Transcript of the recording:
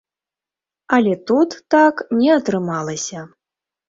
Але тут так не атрымалася.